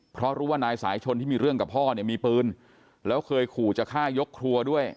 เพราะรู้ว่านายสายชนที่มีเรื่องกับพ่อเนี่ยมีปืนแล้วเคยขู่จะฆ่ายกครัวด้วย